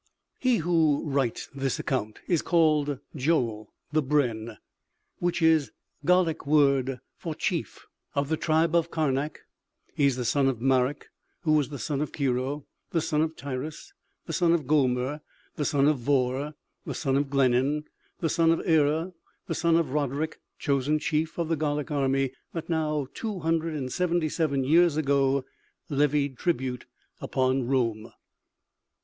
He who writes this account is called Joel, the brenn[A] of the tribe of Karnak; he is the son of Marik, who was the son of Kirio, the son of Tiras, the son of Gomer, the son of Vorr, the son of Glenan, the son of Erer, the son of Roderik chosen chief of the Gallic army that, now two hundred and seventy seven years ago, levied tribute upon Rome. [A] Gallic word for chief.